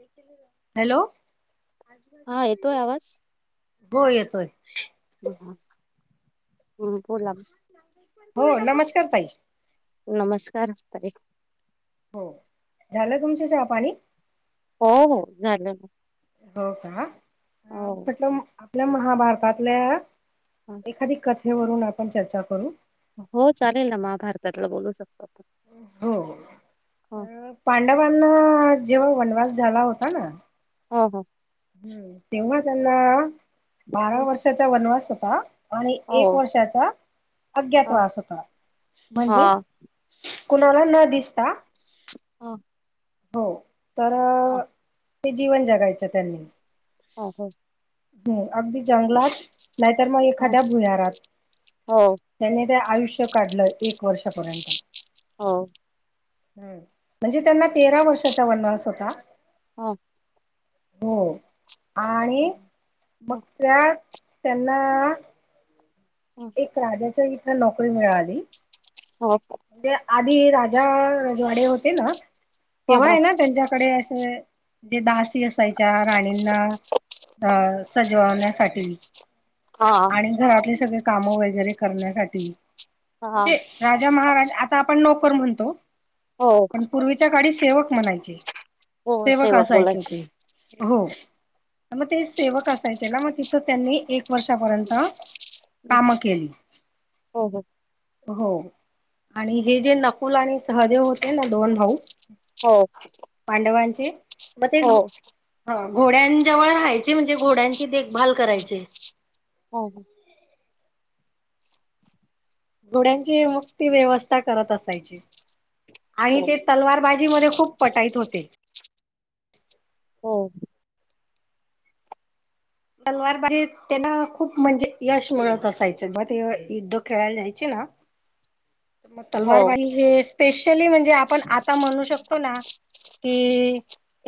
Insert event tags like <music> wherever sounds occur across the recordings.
<inaudible> Hello हा येतोय आवाज? हो येतोय ह -ह-हं बोला हो <inaudible> नमस्कार ताई नमस्कार-ताई हो झालं तुमच चहा पाणी? हो हो झालं ना हो का? - हो कस आपल्या महाभारतातल्या एखादी कथेवरून आपण चर्चा करू हो चालेल ना महाभारतातला बोलू शकत हो अ पांडवांना जेव्हा वनवास झाला होता ना हो- हो हम्म तेव्हा त्यांना बारा वर्षाचा वनवास होता आणि हो हो एक वर्षाचा अज्ञात हा वास होता म्हणजे? हा कुणाला न दिसता हं <inaudible> हो तर ते जीवन जगायचे त्यांनी ह ह <unintelligible> हम्म अगदी जंगलात, नाहीतर मग हा एखाद्या भुयारात हो त्या ते आयुष्य काढलं एक वर्षापर्यंत हो हम्म म्हणजे त्यांना तेरा वर्षाचा वनवास होता हो हो आणि मग त्यात त्यांना हो एक हो राजाच्या इथ नोकरी मिळाली हो म्हणजे आधी राजा रजवाडे होते ना? तेव्हा हो आहे ना त्यांच्याकडे असे जे दास सी असयच्या राणींना अ सजवण्यासाठी हा आणि घरातले सगळे काम वगैरे करण्यासाठीे हा म्हणजे महाराज आता आपण नोकर म्हणतो हो पण पूर्वीच्या काळी सेवक म्हणायचे हो सेवक असायची बोलायचं ते हो हा मग ते सेवक असायचे ना मग तिथं त्यांनी एक वर्षापर्यंत काम केली. हो हो हो हो आणि हे जे नकुल आणि सहदेव होत ना दोन भाऊ हो पांडवांचे मग ते हो ह घोड्यां जवळ राहायचे म्हणजे घोड्यांची देखभाल करायचे. हो हो. घोड्यांची मग ते व्यवस्था करत असायचे आणि हो हो ते तलवार बाजी मध्ये खूप पटाईत होते. हो. तलवार बाजीत त्यांना खूप म्हणजे यश मिळत असायचं म ते युद्ध खेळायला जायचे ना <unintelligible> त मग हो तलवारबाजी हेस स्पेशली म्हणजे आपण आता म्हणू शकतो ना की,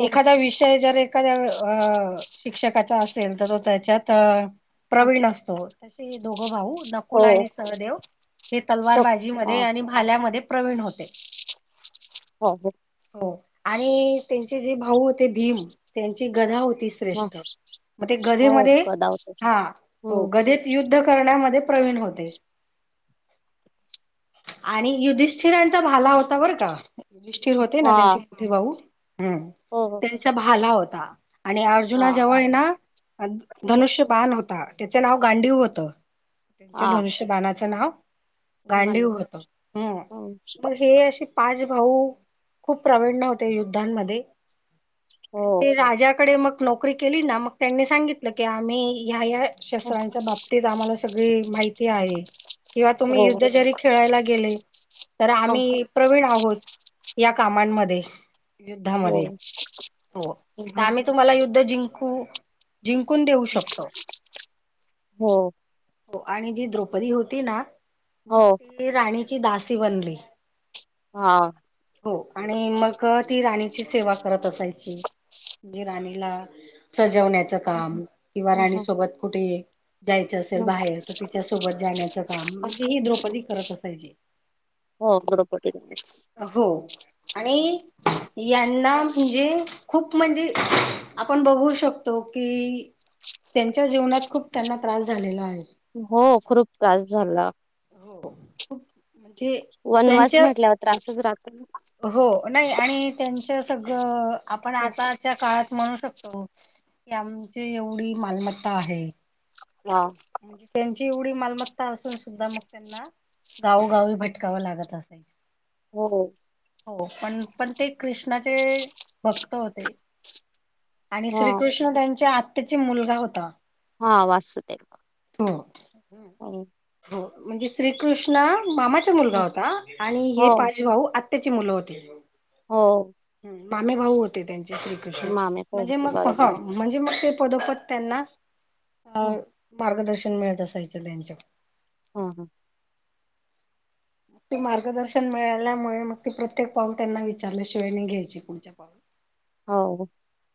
एखादा विषय जर एखाद्या अ शिक्षकाचा असेल तर तो त्याच्यात अ प्रवीण असतो तसे हे दोघ भाऊ नकुल हो आणि सहदेव हे तलवार बाजी मध्ये आणि भाल्यामध्ये प्रवीण होते. हो हो. हो आणि त्यांचे जे भाऊ होते भीम त्यांची गधा होती. ती हो श्रेष्ठ मग ते गधे हो मध्ये गदावतो हा हो हम्म गधेत युद्ध करण्यामध्ये प्रवीण होते. आणि युधिष्ठिरांचा भाला हो ता बरं का, युधिष्ठिर होते ना हा त्यांचे मोठे भाऊ हूं हो हो त्यांचा भाला होता. आणि हा अर्जुना जवळ येना हम्म, धनुष्य बान होता. त्याच नाव गांडीव होत. त्यांच्या हा धनुष्य बाणाचं नाव हो हो गांडीव होत. हूं, म हे असे पाच भाऊ खूप प्रविण्य होते. युद्धांमध्ये हो आणि ते राजाकडे मग नोकरी केली ना मग त्यांनी सांगितलं की आम्ही ह्या ह्या शस्त्रांच्या बाबतीत आम्हाला सगळी माहिती आहे किंवा तुम्ही हो यु ध्द जरी खेळायला गेले तर आम्ही प्रवीण आहोत या कामांमध्ये युद्धामध्ये हो त आम्ही तुम्हाला युद्ध जिंकू जिंकून देऊ शकतो, हो आणि जी द्रौ पदी होती ना हो मग ती राणीची दासी बनली. हा हो आणि मग ती राणी ची सेवा करत असायची म्हणजे राणीला सजवण्या चं काम किंवा राणी सोबत कुठे जायचं असेल बाहेर तर तिच्यासोबत जाण्याचं काम ही द्रौपदी करत असायची. हो द्रौपदी हो आणि यां ना म्हणजे खूप म्हणजे आपण बघू शकतो. की त्यांच्या जीवनात खूप त्यांना त्रास झालेला आहे. हो खूप त्रास झाला. हो म्हणजे वनवास त्यांच्या म्हटल्यावर त्रासच रा हो नाही आणि त्यांच सगळं आपण आताच्या काळात म्हणू शकतो. आमची एवढी मालमत्ता आहे. <unintelligible> ची एवढी मालमत्ता असून सुद्धा मग त्यांना गावोगावी भटकावं लागत असायचं. हो हो पण पण ते कृष्णाचे भक्त होते. आणि हा श्रीकृष्ण त्यांच्या आत्याची मुलगा होता. हा वासुतेरव हो हो म्हणजे श्रीकृष्णा मामाचा मुलगा होता आणि हो हे पाच भाऊ आत्त्याची मुलं होती. हो. मामे भाऊ होते त्यांचे श्रीकृष्ण मामे म्हणजे पोहते मग बरोबर म्हणजे मग ते पदोपद त्यांना अ हो मार्गदर्शन मिळत असायचं त्यांच्या हा हा मग ती मार्गदर्शन मिळाल्यामुळे मग ती प्रत्येक पाऊल त्यांना विचारल्याशिवाय नाही घ्यायची पुढचं पाऊल हो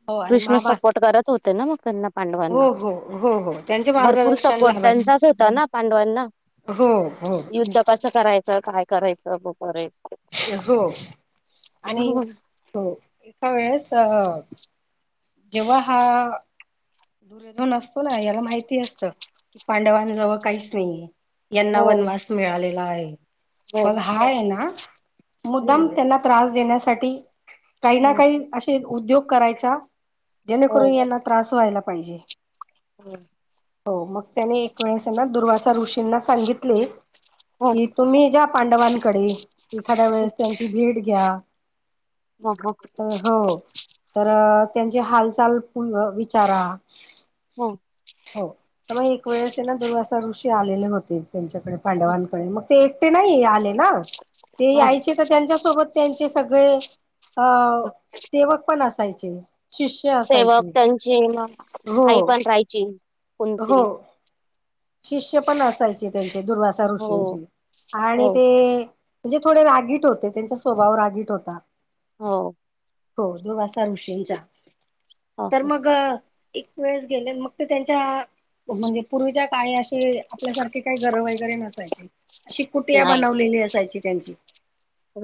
हो आणि कृष्ण महाबा सपोर्ट करत होते ना मग त्यांना हो पांडवांना हो हो हो त्यांचे भरपूर मार्गदर्शन सपोर्ट लाभायचे त्यांचाच होता ना पांडवांना, हो हो युद्ध कसं कराय च काय करायचं बपरे हो आणि हो हो का वेळेस अ जेव्हा हा दुर्योधन असतो ना याला माहिती असत की पांडवां जवळ काहीच नाहीये यांना हो वनवास मिळालेला आहे, हो पण हा आहे ना मुद्दाम त्यांना त्रास देण्यासाठी काही ना हो काही असे उद्योग करायचा जेणेकरून यांना त्रास व्हायला पाहिजे. हो मग त्याने एक वेळेसना दुर्वासा ऋषींना सांगितले, हो कि तुम्ही ज्या पांडवांकडे एखाद्या वेळेस त्यांची भेट घ्या हो तर हो तर त्यांची हालचाल विचारा, हो... हो तर मग एक वेळेस ना दुर्वासा ऋषी आलेले होते त्यांच्याकडे पांडवांकडे मग ते एक- ते नाही आले ना ते हो यायचे तर त्यांच्या सोबत त्यांचे सगळे अ सेवक पण असत असायचे यायचे सेवक त्यांची हो आई पण राहायची. पण हो तरी शिष्य पण असायचे त्यांचे दुर्वासा हो ऋषींची चे आणि हो ते- म्हणजे थोडे रागीट होते त्यांचा स्वभाव रागीट होता. हो... हो दुर्वासा ऋषींचा तर हो मग एक वेळेस गेले मग- त्यांच्या म्हणजे पूर्वीच्या काळी अशी- आपल्यासारखे काही घरं वगैरे नसायची अशी कुटिया नाही बनवलेली असायची त्यांची.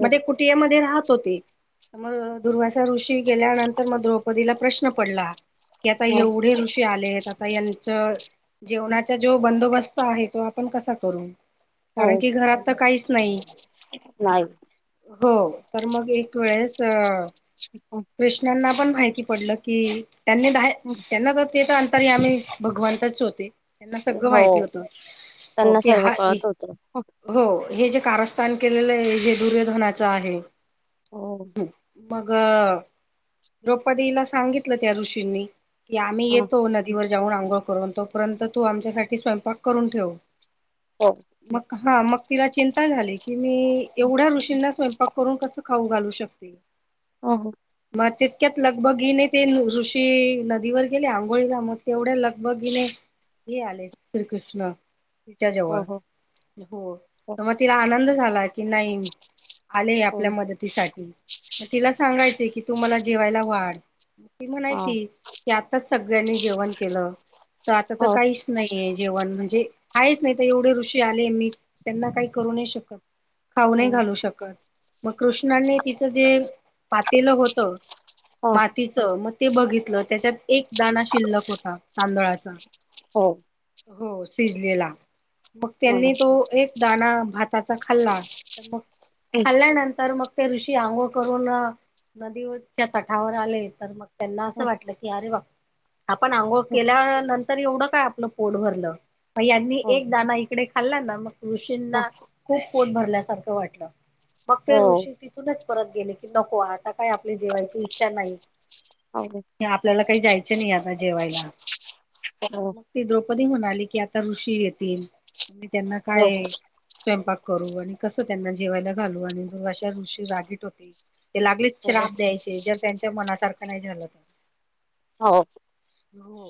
म ते कुटियामध्येध्ये राहत होते मग दुर्वासा ऋषी- गेल्यानंतर मग द्रौपदीला प्रश्न पडला की आता एवढे ऋषी आलेत- आता यांचा जेवणाचा जो बंदोबस्त आहे तो आपण कसा करू? कारण हो कि घरात तर काहीच नाही. नाही हो तर मग एक वेळेस अ कृष्णांना पण माहिती- पडलं की त्यांनी द त्यांना तर ते तर अंतर माहीत भगवंतच होते त्यांना सगळं माहिती हो होत हो त्यांना की सर्व हा कळत होत हो हे जे- कारस्थान केलेलं हे दुर्योधनादच आहे हो मग द्रौपदीला सांगितलं त्या ऋषींनी की आम्ही हो येतो येतो नदीवर जाऊन आंघोळ करून तोपर्यंत तू आमच्यासाठी स्वयंपाक करून ठेव. मग हा मग तिला चिंता झाली की मी एवढ्या ऋषींना स्वयंपाक- करून कस खाऊ घालू शकते? हो.. तितक्यात लगबगीत ने ते ऋशी नदीवर गेले आंघोळी साठी आंघोळी म तेवढ्या लगबगी ने तेही आले श्रीकृष्ण- तिच्या जवळ हो हो हो तर मग तिला आनंद झाला की नाही आले आपल्या मदतीसाठी म तिला सांगायचे कि तु मला जेवायला वाढ ती म्हणायची की आत्ताच सगळ्यांनी जेवण केलं तर आता तर काहीच नाहीे जेवण म्हणजे आहेच नाही तर एवढे ऋषी आले मी त्यांना काही करू नाही शकत. खाऊ नाही घालू शकत मग कृष्णांनी तिचं जे पातेलं होत मातीच मग ते बघितलं त्याच्यात दाना शिल्लक होता तांदळाचा हो शिजलेला मग त्यांनी तो एक दाणा भाताचा खाल्ला तर मग खाल्ल्यानंतर मग ते ऋषी आंघोळ करून नदीच्या तठावर आले तर मग ते त्यांना असं वाटलं की अरे वा आपण आंघोळ केल्यानंतर एवढं काय आपलं पोट भरलं म यांनी एक दाना इकडे खाल्ला ना मग ऋषींना खूप पोट भरल्यासारखं वाटलं. मग तेे ऋशी तिथूनच परत गेले की नको आज आता काही आपल्या जेवायची इच्छा नाही आपल्याला काही जायच नाही आता जेवायला मग ती द्रौपदी म्हणाली की आता ऋषी येतील मी त्यांना काय स्वयंपाक करू आणि कसं त्यांना जेवायला घालू आणि दुर्वाशा ऋषी रागीट होते ते लगेच शाप द्यायचे जर त्यांच्या मनासारखं नाही झालं तर. हो. हो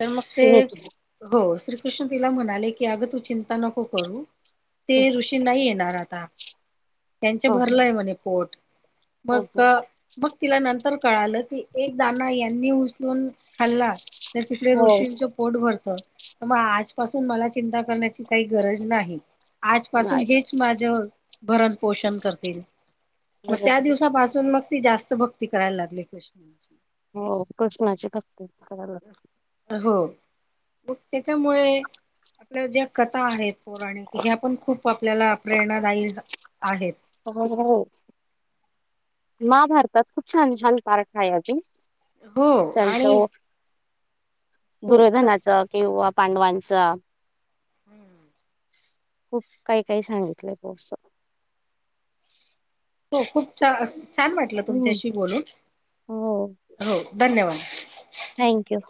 तर मग ते हो. श्रीकृष्ण तिला म्हणाले की अगं तू चिंता नको करू ते ऋषी नाही येणार आता त्यांचे भरलंय म्हणे पोट मग मग तिला नंतर कळालं की एक दाना यांनी उच लून खाल्ला तर तिकडे ऋषींचं पोट भरतं मग आजपासून मला चिंता करण्याची काही गरज नाही. आजपासून हेच माझं भरण पोषण करतील. मग त्या दिवसापासून मग ती जास्त भक्ती करायला लागली कृष्णाची. हो कृष्णाची एक असते. हो मग त्याच्यामुळे आपल्या ज्या कथा आहेत. पौराणिक ह्या पण खूप आपल्याला प्रेरणादायी आहेत. हो महाभारतात खूप छान छान पार्ट आहे अजून हो आणि त्यांचं हो दुर्योधनाचं किंवा पांडवांच. हम्म. खूप काही काही सांगितलंय बॉ अस. हो खूप छ छान वाटलं तुमच्याशी बोलून हो हो धन्यवाद. थँक्यू.